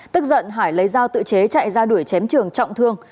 tức giận hải lấy dao tự chế chạy ra đuổi chém trường trọng thương